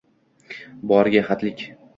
boʼriga hadik